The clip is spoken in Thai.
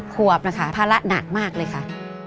ขวบนะคะภาระหนักมากเลยค่ะ